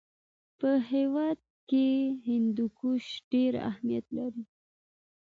په هېواد کې هندوکش ډېر اهمیت لري.